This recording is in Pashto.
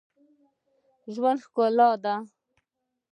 ژوند ښکلی دئ.